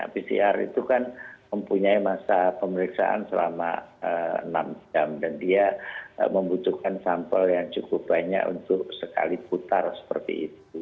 pcr itu kan mempunyai masa pemeriksaan selama enam jam dan dia membutuhkan sampel yang cukup banyak untuk sekali putar seperti itu